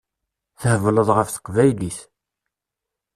Thebleḍ ɣef teqbaylit.